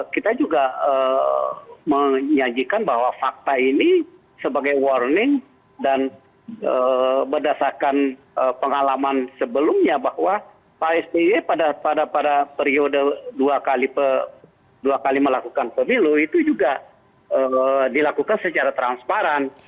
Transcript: kita juga menyajikan bahwa fakta ini sebagai warning dan berdasarkan pengalaman sebelumnya bahwa pak sby pada periode dua kali melakukan pemilu itu juga dilakukan secara transparan